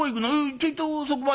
『ちょいとそこまで』。